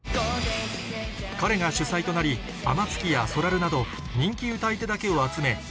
彼が主催となり天月やそらるなど人気「歌い手」だけを集め